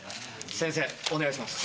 先生お願いします。